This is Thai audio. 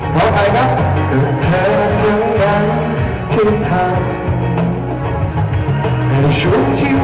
ที่ทำให้ฉันได้กับเธอ